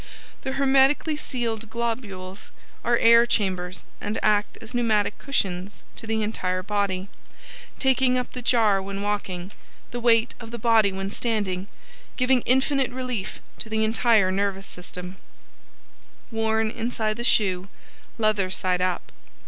The hermetically sealed globules are air chambers and act as pneumatic cushions to the entire body, taking up the jar when walking, the weight of the body when standing, giving infinite relief to the entire Nervous System Worn inside the shoe leather side up.